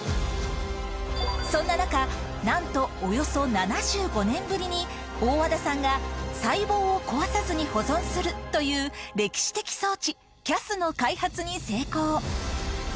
そんな中なんとおよそ７５年ぶりに大和田さんが細胞を壊さずに保存するという歴史的装置ＣＡＳの開発に成功